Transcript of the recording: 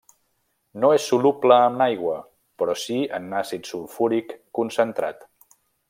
No és soluble en aigua, però si en àcid sulfúric concentrat.